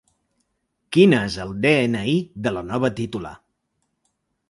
Quin és el de-ena-i de la nova titular?